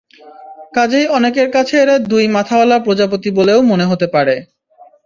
কাজেই অনেকের কাছে এরা দুই মাথাওয়ালা প্রজাপতি বলেও মনে হতে পারে।